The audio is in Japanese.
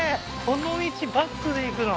この道バックで行くの？